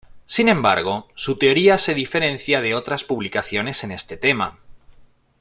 Sin embargo, su teoría se diferencia de otras publicaciones en este tema.